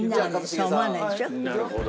なるほど。